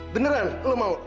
beneran lo mau